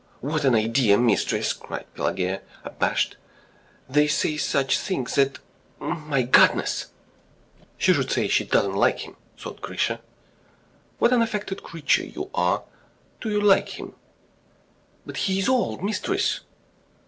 "What an idea, mistress!" cried Pelageya, abashed. "They say such things that ... my goodness. ..." "She should say she doesn't like him!" thought Grisha. "What an affected creature you are. ... Do you like him?" "But he is old, mistress!"